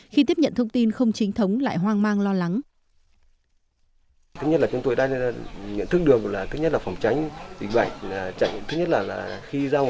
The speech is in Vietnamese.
khi tiếp nhận thông tin không chính thống lại hoang mang lo lắng